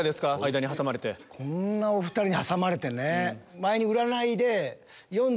こんなお２人に挟まれてね。